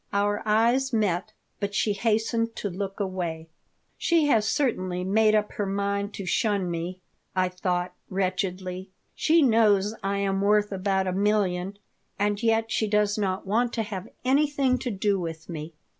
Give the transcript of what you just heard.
Our eyes met, but she hastened to look away "She has certainly made up her mind to shun me," I thought, wretchedly. "She knows I am worth about a million, and yet she does not want to have anything to do with me.